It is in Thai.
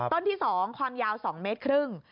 ต้นที่๒ความยาว๒เมตรครึ่ง